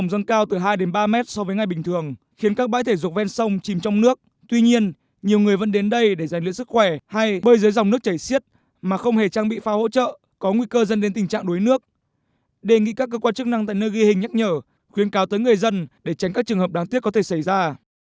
đề nghị các cơ quan chức năng tại nơi ghi hình nhắc nhở khuyến cáo tới người dân để tránh các trường hợp đáng tiếc có thể xảy ra